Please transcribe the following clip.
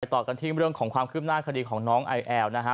ต่อกันที่เรื่องของความคืบหน้าคดีของน้องไอแอลนะฮะ